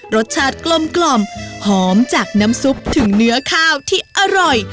รสชาติกลมหอมจากน้ำซุปถึงเนื้อข้าวที่อร่อย